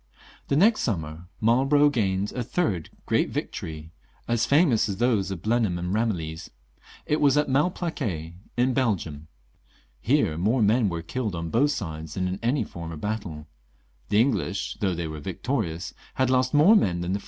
The next summer Marlborough gained a third great victory, as famous as those of Blenheim ancl Eamillies ; it was at Malplaquet, in Belgium. Here more men were killed on both sides than in any former battle. The English, though they were victorious, had lost more men than the XLV.